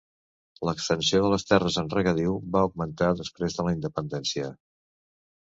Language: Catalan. L'extensió de les terres en regadiu va augmentar després de la independència.